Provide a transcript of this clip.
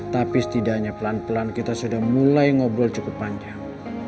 tapi setidaknya pelan pelan kita sudah mulai ngobrol cukup panjang